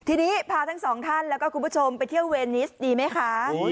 ทีนี้พาทั้งสองท่านแล้วก็คุณผู้ชมไปเที่ยวเวนิสดีไหมคะ